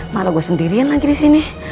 malah gue sendirian lagi disini